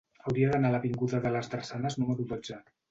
Hauria d'anar a l'avinguda de les Drassanes número dotze.